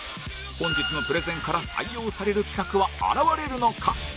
本日のプレゼンから採用される企画は現れるのか？